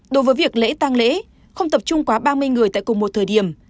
đối với việc lễ tăng lễ không tập trung quá ba mươi người tại cùng một thời điểm